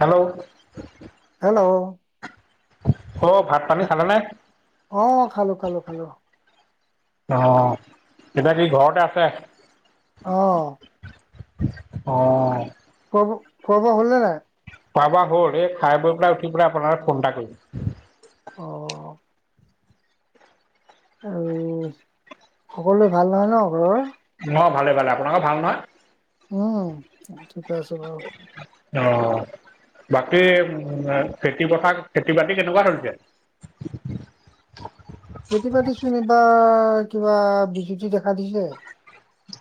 Hello! Hello! অ', ভাত পানী খালা নে? অ', খালোঁ, খালোঁ, খালোঁ। অ', এতিয়া কি ঘৰতে আছে? অ'। অ'। খোৱাব খোৱা বোৱা হ'ল নে নাই? খোৱা বোবা হ'ল, এই খাই বৈ পেলাই উঠি পেলাই আপোনালে ফোন এটা কৰিছোঁ। অ'। আৰু সকলোৱে ভাল নহয় ন ঘৰৰ? অ', ভালে, ভালে আপোনালোকৰ ভাল নহয়? উম, ঠিকে আছো বাৰু। অ', বাকী উম, খেতি পথাৰ খেতি বাতি কেনেকুৱা চলিছে? খেতি বাতি চোন এইবাৰ কিবা বিজুতি দেখা দিছে।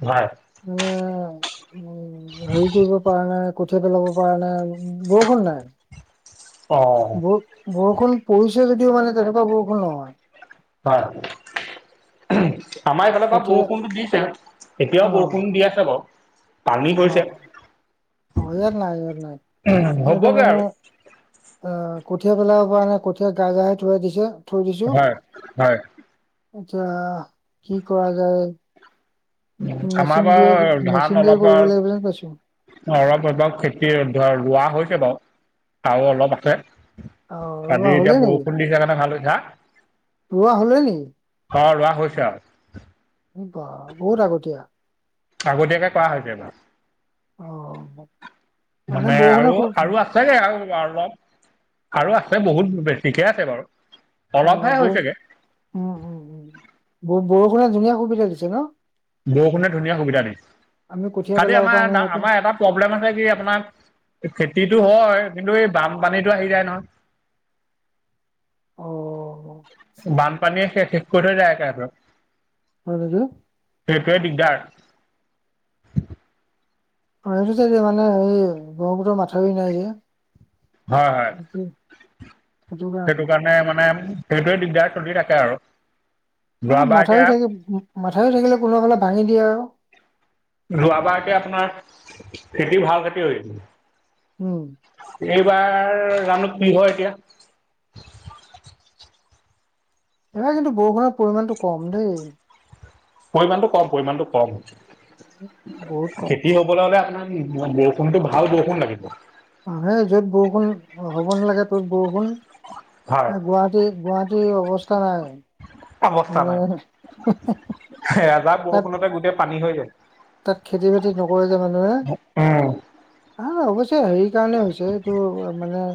হয়। মানে উম, হেৰি কৰিব পাৰা নাই। কঠীয়া পেলাব পৰা নাই আৰু বৰষুণ নাই অ ব বৰষুণ পৰিছে যদিও মানে তেনেকুৱা বৰষুণ নহয়। হয়। আমাৰ এইফালে বাৰু কঠীয়া বৰষুণটো দিছে, অ এতিয়াও বৰষুণ দি আছে বাৰু। পানী অ পৰিছে, অ ইয়াত নাই ইয়াত নাই উম, ইয়াতে হ'বগে মানে আৰু। আহ, কঠীয়া পেলাব পৰা নাই, কঠীয়া [unintelligible] থৈৱাই দিছে থৈ দিছোঁ। হয় হয় আচ্ছা কি কৰা যায়! আমাৰ মেচিন দিয়ে, বাৰু ধান মেচিন দিয়ে কৰিব আৰু লাগিব যেন পাইছোঁ। অলপ, অলপ খেতি ৰোৱা হৈছে বাৰু, আৰু অলপ আছে। আহ ৰোৱা আজি হলে এতিয়া বৰষুণ দিছে কাৰনে ভাল হৈছে, আ! ৰুৱা হ'লে নেকি? অ', ৰোৱা হৈছে আৰু। বাহ, বহুত আগতিয়া। আগতীয়াকে কৰা হৈছে এইবাৰ। অ', মানে আৰু বৰষুনে কোব আৰু আছেগে আৰু অলপ, আৰু আছে বহুত বেছিকে আছে বাৰু। অ অলপহে বৌ হৈছেগে। উম, উম, উম। ব-বৰষুণে ধুনীয়া সুবিধা দিছে ন! বৰষুণে ধুনীয়া সুবিধা দিছে। আমি কঠীয়া খালি পেলাব আমাৰ পৰা নাই এটা ইয়াতে আমাৰ এটা প্ৰব্লেম আছে কি আপোনাৰ খেতিটো হয়, কিন্তু এই বানপানীতো আহি যায় নহয়। অ'। বানপানীয়ে শে-শেষ কৰি থৈ যায় একেবাৰে। [inaudible] সেইটোৱে দিগদাৰ। সেইটো চাইডে মানে, এই ব্ৰহ্মপত্ৰৰ মাথৰি নাই যে। হয়, হয়। কি? সেইটো কাৰণে মানে সেইটোৱে দিগদাৰ চলি থাকে আৰু। যোৱাবাৰ ম-মাথাৰি এতিয়া থাকিল মাথাৰি থাকিলেও কোনোবা ফালে ভাঙি দিয়ে আৰু। যোৱাড়বাৰকে আপোনাৰ খেতি ভাল খেতি হৈ উম। এইবাৰ জানো কি হয় এতিয়া। এইবাৰ কিন্তু বৰষুণৰ পৰিমাণটো কম দেই। পৰিমাণটো কম পৰিমাণটো কম। বহুত কম। কবলে হলে আপোনাৰ বৰষুণটো ভাল বৰষুণ লাগিব। মে য'ত বৰষুণ হ'ব নালাগে ত'ত বৰষুণ হয় গুৱাহাটী, গুৱাহাটী অৱস্থা নাই। মানে এজাহ তাত বৰষুণতে গোটেই পানী হৈ যায়। তাত খেতি-বাতি নকৰে যে মানুহে। উম ন, অৱশ্যে হেৰি কাৰণে হৈছে এইটো মানে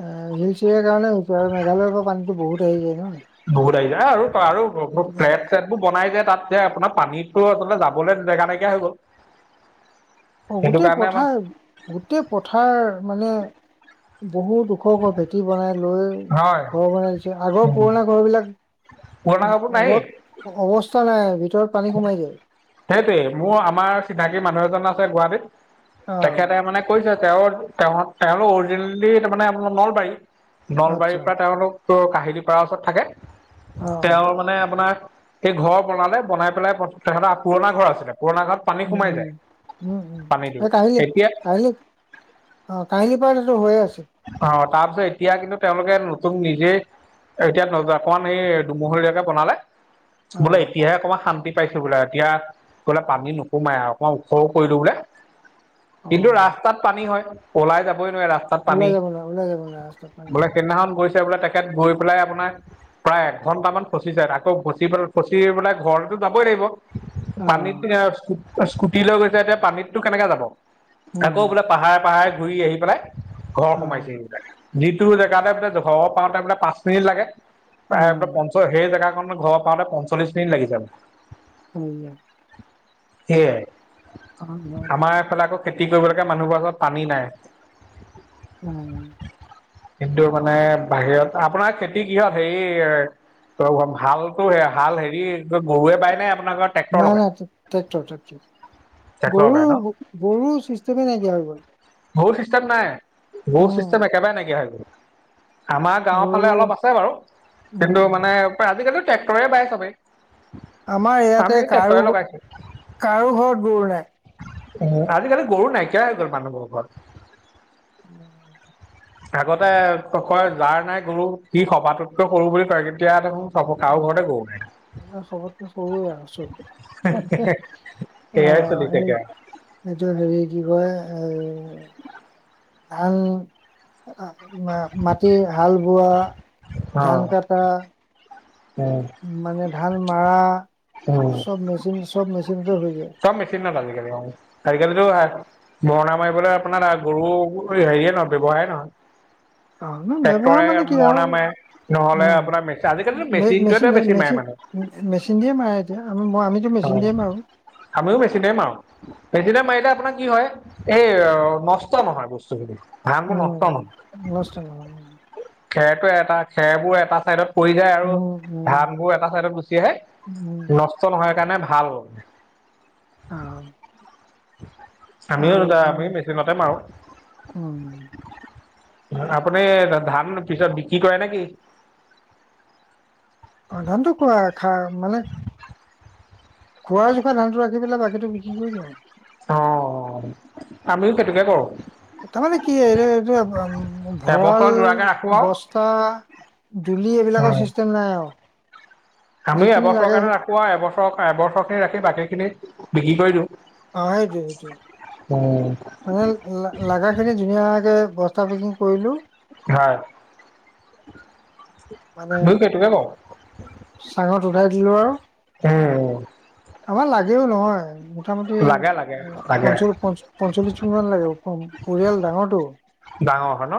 এ, হিলচ এৰিয়াৰ কাৰণে হৈ হৈছে আৰু মেঘালয়ৰ পৰা পানীতো বহুত আহি যায় ন। বহুত আহিছে আৰু আৰু সেইটো কাৰণে ফ্লেট চ বনাই যে তাত যে আপোনাৰ পানীতো আচলতে যাবলৈ জেগা নাইকিয়া হৈ গ'ল। অ, সেইটো গোটেই কাৰণে আমাৰ পথাৰ গোটেই পথাৰ মানে বহুত ওখ, ওখ ভেটি বনাই লৈ হয় ঘৰ বনাই দিছে আগৰ পুৰণা ঘৰ বিলাক পুৰণা কাপোৰ উ নায়েই হ অৱস্থা নাই ভিতৰত পানী সোমাই যায়। সেইটোৱে মোৰ আমাৰ চিনাকি মানুহ এজন আছে গুৱাহাটীত অ তেখেতে মানে কৈছে তেওঁ-তেওঁলোক অৰিজিনেলি তাৰমানে নলবাৰী, নলবাৰীৰ আচ্ছা পৰা তেওঁলোক কাহিলী পাৰ ওচৰত থাকে অ তেওঁ মানে আপোনাৰ সেই ঘৰ বনালে বনাই পেলাই তেখেতৰ পুৰণা ঘৰ আছিলে পুৰণা ঘৰত পানী উম, সোমাই উম, যায় উম, উম, পানীটো কাহিয় এতিয়া কাহে। অ, কাহিলি পাৰো হৈয়ে আছিল। অ, তাৰপিছত এতিয়া কিন্তু তেওঁলোকে নতুন নিজেই এতিয়া নোযোৱা অকমান এই দুমহলীয়াকে বনালে অ বোলে এতিয়াহে অকমান শান্তিত পাইছো বোলে এতিয়া বোলে পানী নসোমাই আৰু অকণমান ওখ কৰিলো বোলে। অ কিন্তু ৰাস্তাত পানী হয় ওলাই যাবই নোৱাৰে ৰাস্তা ওলাই যাব না ওলাই যাব ন ৰাস্তাত। পানী বোলে সেইদিনাখন গৈছে বোলে তেখেত গৈ পেলাই আপোনাৰ প্ৰায় এক ঘন্টা মান ফচি যায় আকৌ ফচি পেলাই, ফচি পেলাই ঘৰটো যাবই লাগিব। অ পানীত স্কুটি লৈ গৈছে এতিয়া পানীতটো কেনেকে যাব আকৌ উম বোলে। পাহাৰে, পাহাৰে ঘূৰি আহি পেলাই ঘৰ অ সোমাইছে বিলাক যিটো জেগাতে ঘৰ পাওঁতে বোলে পাঁচ মিনিট লাগে অ প্ৰায় প চ' সেই জেগাখনৰ ঘৰৰ পাওঁতে পঞ্চল্লিছ মিনিট লাগি যাব। হয়। সেইয়াই আমাৰ এইফালে আকৌ খেতি কৰিবলৈকে মানুহবোৰ ওচৰত পানী নাই। উম। কিন্তু মানে বাহিৰত আপোনাৰ খেতি কিহত হেৰি ত, হালো হাল হেৰি গৰুৱে পায় নাই আপোনাৰ ঘৰত। নাই, নাই ট্ৰেক্টৰ, ট্ৰেক্টৰ ট্ৰেক্টৰ গৰু, লগাই ন গৰু চিষ্টেমে নাইকিয়া হৈ গ'ল। গৰু চিষ্টেম নাই, গৰু উম ছিষ্টেম একেবাৰে নাইকিয়া হৈ গ'ল। আমাৰ গাঁওৰ ফালে গৰু অলপ আছে বাৰু উম, কিন্তু উম, মানে আজিকালি ট্ৰেক্টৰে বাই চবেই আমাৰ আমি ইয়াতে কাৰো ট্ৰেক্টৰে লগাইছো কাৰো ঘৰত গৰু নাই। আজিকালি গৰু নাইকিয়া হৈ গ'ল মানুহবোৰ ঘৰত উম আগতে কয় যাৰ নাই গুৰু সি সবাতোতকৈ সৰু বুলি কয় কেতিয়া দেখোন চব অ কাৰো ঘৰতে গৰু নাই এ খবৰকে সৰুৱে আৰু চব সেইয়াই অ', চলি এই থাকে আৰু এইটো হেৰি কি কয় এ ধান মাটি হাল বোৱা অ ধান কটা উম মানে ধান মৰা উম চব মেচিন চব মেচিনতে হৈ যায়। চব মেছিন হ'ল আজিকালি। আজিকালিতো মৰণা মাৰিবলৈ আপোনাৰ গৰু হেৰিয়ে নহয় ব্যৱহাৰে নহয়। অ', ন [unintelligible] ব্যৱহাৰ ট্ৰেক্টৰে মানে কি আৰু মৰণা মাৰে নহ'লে উম, আপোনাৰ মেচ আজিকালিতো মে- মেচিনটো মেচিন এ মে- বেছি মাৰে মেচিন মানুহে। মেচিন দিয়ে মাৰে এতিয়া মই আমি অ আমিও মেছিনেৰে মাৰো। পেদিনে মাৰিলে আপোনাৰ কি হয় এই নষ্ট নহয় বস্তুখিনি। ধানটো নষ্ট নহয়, উম, নষ্ট নহয় খেৰটো এটা খেৰবোৰ এটা চাইডত পৰি যায়, আৰু উম, উম, ধানবোৰ এটা চাইডত গুচি আহে, উম। নষ্ট নহয় কাৰণে ভাল। অ' আমিও আৰু আমি মানে মেচিনতে মাৰোঁ। উম, আপুনি ধান পিছত বিক্ৰী কৰে নে কি? অ' ধনটো কোৱা খা মানে খোৱা জোখোৰ ধানটো ৰাখি পেলাই বাকীটো বিক্ৰী কৰি দিযও আৰু। অ' আমিও সেইটোকে কৰো। তাৰমানে কি এই এইটো ভঁৰাল এবছৰ জোৰাকে ৰাখোঁ আৰু। বস্তু ধুলি এইবিলাকৰ চিষ্টেম নাই আৰু। আমি যিখিনি এবছৰ লাগে কাৰনে ৰাখো আৰু এবছৰ এবছৰ খিনি ৰাখি বাকী খিনি বিক্ৰী কৰি দিওঁ। অ'অ' এইটো এইটো। উম মানে লাগাখিনি ধুনীয়াকে বস্তা পেকিং কৰিলো হয় মানে দুই কে কিমানৰ চাঙত উঠাই দিলো আৰু উম আমাৰ লাগেও নহয়, মোটামুটি লাগে লাগে লাগে, পঞ্চ পঞ্চ পঞ্চল্লিশ টিঙ মান লাগে, পৰিয়াল ডাঙৰটো। ডাঙৰ হয় ন,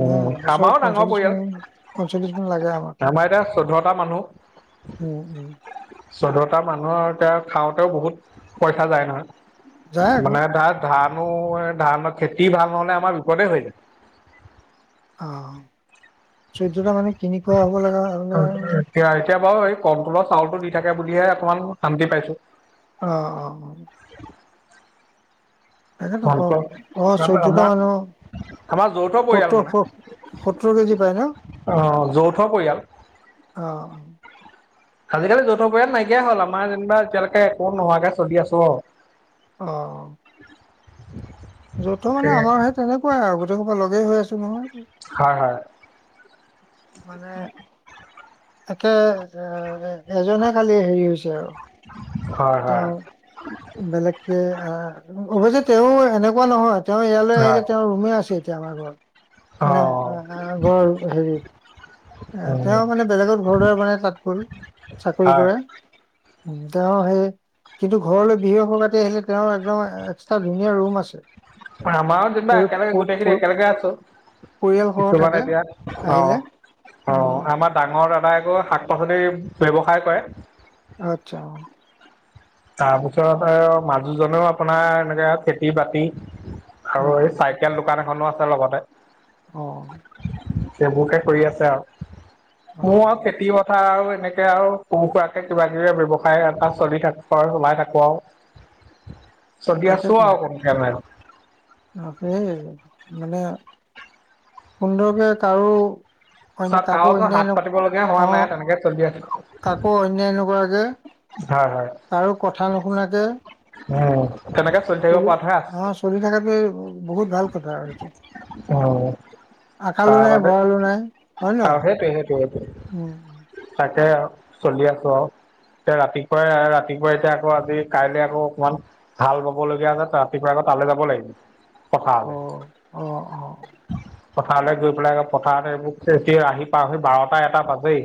উম, অ' বছৰত আমাৰও ডাঙৰ মান মান লাগে আমাক। পৰিয়াল। আমাৰ এতিয়া চৈধ্যটা মানুহ। উম উম- চৈধ্যটা মানুহ আৰু এতিয়া খাওঁতেও বহুত পইচা যায় নহয়, যায় আকৌ। মানে তাত ধানো ধানৰ খেতি ভাল নহলে আমাৰ বিপদে হৈ যায়। অ' চৈধ্যটা মানুহে কিনি খোৱা হ'ব লগা হ'লে আৰু এতিয়া বাৰু এই কণ্টোলৰ চাউতটো দি থাকে বুলিহে অকমান শান্তি পাইছো। অ' অ' অ' তাকেতো ক কণ্ট্ৰল অ' চৈধ্যটা আমাৰ মানুহ আমাৰ যৌথ আৰু পৰিয়াল মানে সত্তৰ সত্তৰ কেজি পায় ন। অ যৌথ পৰিয়াল অ' অ' আজিকালি যৌথ পৰিয় নাইকিয় হ'ল। আমাৰ যেনিবা এতিয়ালৈকে একো নোহোৱাকে চলি আছো আৰু। অ' যৌথ মানে সেয়ে আমাৰ সেই তেনেকুৱাই আৰু গোটেই সোপা লগেই হৈ আছো নহয়। হয় হয়। মানে, তাকে এ এজনে খালি হেৰি হৈছে আৰু। এ হয় হয় তেওঁ বেলেগকে, অৱশ্যে তেওঁ এনেকুৱা নহয় তেওঁ ইয়ালৈ আহিলে, হয় তেওঁ ৰুমে আছে এতিয়া আমাৰ ঘৰ অ মানে ঘৰ হেৰি। এ উম তেওঁ মানে বেলেগত ঘৰ দুৱাৰ বনাই মানে তাত গ'ল, চাকৰি হয় কৰে। তেওঁ সেই। কিন্তু ঘৰলৈ বিহুৱে সকাতি আহিলে, তেওঁৰ একদম এক্সট্ৰা ধুনীয়া ৰুম আছে। আমাৰ যেনিবা পৰি একেলগে, গোটেইখিনি পৰি একেলগে আছোঁ। পৰিয়ালসহ কিছুমান থাকে এতিয়া আহিলে অ', অ'। উম। আমাৰ ডাঙৰ দাদাই আকৌ শাক -পাচলি ব্যৱসায় কৰে। আচ্ছা। তাৰপিছত আৰু মাজুজনেও আপোনাৰ এনেকে খেতি -বাতি। অ আৰু এই চাইকেল দোকান এখনো আছে লগতে। অ'। সেইবোৰকে কৰি আছে আৰু। অ মোৰ আৰু খেতি -বাতি। কথা আৰু, এনেকে আৰু সৰু - সুৰাকে কিবা- কিবি ব্যৱসায় এটা চলি আছে। ঘৰত সোমাই থাকো আৰু। চলি আছো আৰু কোনোমতে আৰু। তাকেহে, মানে সুন্দৰকে কাৰো। অইন কাৰো কাকো ওচৰত অন্যায় ন হাত পাতিব লগীয়া হোৱা অ নাই, তেনেকে চলি আছোঁ। কাকো অন্যায় নকৰাকে। হয় -। কাৰো কথা নুশুনাকৈ। উম্, তেনেকে। চলি থাকিব পৰাতহে অ', আছে চলি থকাটোয়ে বহুত ভাল কথা আৰু। উম আকালো তাৰ নাই, বাদে ভঁৰালো নাই, হয় আৰু নহয়? সেইটোৱে সেইটোৱে সেইটোৱে উম। তাকে, চলি আছোঁ আৰু। এতিয়া, ৰাতিপুৱাই- ৰাতিপুৱাই এতিয়া আকৌ আজি কাইলৈ আকৌ অকমান। হাল বাবলগীয়া আছে। ৰাতিপুৱা আকৌ তালৈ যাব লাগিব। অ', অ', অ', পথাৰলৈ। পথাৰলৈ গৈ পেলাই, পথাৰত এইবোৰ, এতিয়া আহি পাওঁতে, বাৰটা এটা বাজেই।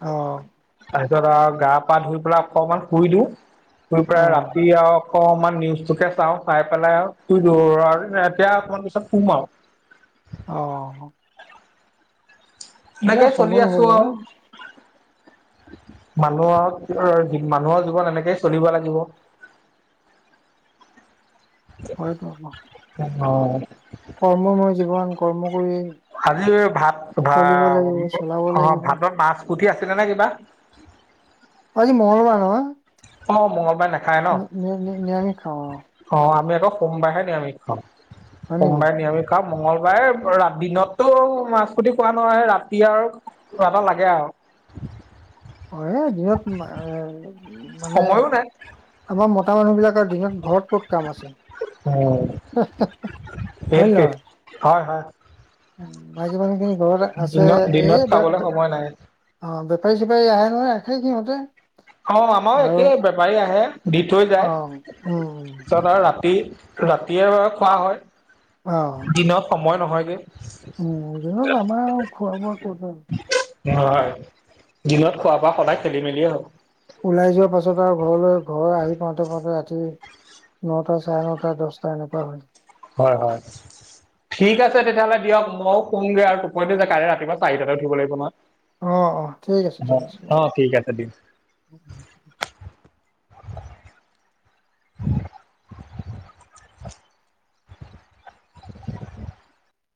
অ'। তাৰ পিছত আৰু গা- পা ধুই পেলাই অকমান শুই দিওঁ। শুই পেলাই অ', ৰাতি আৰু- অকনমান নিউজটোকে চাওঁ। চাই পেলাই আৰু শুই দৌৰ আৰু এতিয়া অকমান পিছত শুম আৰু। অ'। তেতিয়া এনেকে চলি সময় হ'ল আছোঁ দাদা আৰু। মানুহৰ -মানুহৰ জীৱন এনেকেই চলিব লাগিব। হয়তো আকৌ। অ'। কৰ্মময় জীৱন। কৰ্ম কৰি, আজি ভাত, ভ, চলিব লাগিব চলাব অ', লাগিব। ভাতত মাছ পুঠি আছিলে নে কিবা? আজি মংগলবাৰ নহয় অ মঙ্গলবাৰে নাখায় ন আৰু নি -নি নিৰামিষ খাওঁ আৰু। অ', আমি আকৌ সোমবাৰেহে নিৰামিষ খাওঁ। হয় নেকি? সোমবাৰে নিৰামিষ। মংগলবাৰে, দিনতটো মাছপুঠি খোৱা নহয়। ৰাতি আৰু কিবা এটা লাগে আৰু। অ', এই দিনত, এ মানে। সময়ো নাই আমাৰ মতা মানুহ বিলাকৰ দিনত, ঘৰত ক'ত কাম আছিল? উম হয় সেইটোৱে নহয়? হয় হয়। মাইকী মানুহখিনি ঘৰত আছে। দিনত দিনত এ, খাবলৈ সময় নাই অ', বেপাৰী -চেপাৰী আহে নহয়। ৰাখে সিহঁতে- অ', আমাৰো আৰু একেই, বেপাৰী আহে। দি থৈ অ যায়। উম পিছত আৰু ৰাতি। ৰাতিয়ে ব খোৱা অ হয়। দিনত সময় নহয়গে। উম, দিনত আমাৰ খোৱা বোৱা কত? হয়। দিনত খোৱা- বোৱা সদায় খেলি মেলিয়ে হয়। ওলাই যোৱা পাছত আৰু। ঘৰলৈ ঘৰ আহি পাওঁতে -পাওঁতে ৰাতি নটা চাৰে নটা, দহটা এনেকুৱা হয়। হয় হয় ঠিক আছে তেতিয়াহ'লে দিয়ক ময়ও কমগৈ আৰু টোপটো যে কাই ৰাতিপুৱা চাৰিটাতে উঠিব লাগিব নয় অ অ ঠিক আছে ঠিক আছে ব ঠিক আছে দিয়ক